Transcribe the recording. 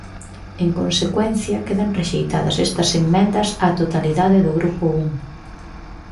En consecuencia, quedan rexeitadas estas emendas á totalidade do grupo un.